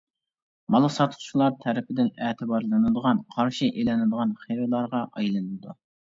مال ساتقۇچىلار تەرىپىدىن ئەتىۋارلىنىدىغان، قارشى ئېلىنىدىغان خېرىدارغا ئايلىنىدۇ.